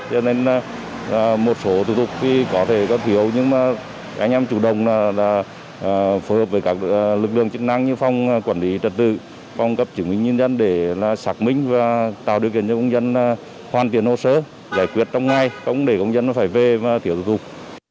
cho nên một số thủ tục thì có thể có thiếu nhưng mà anh em chủ động là phối hợp với các lực lượng chức năng như phòng quản lý trật tự phòng cấp chứng minh nhân dân để xác minh và tạo điều kiện cho công dân hoàn tiền hồ sơ giải quyết trong ngày không để công dân phải về và thiếu hụt